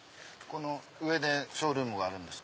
上ショールームがあるんです。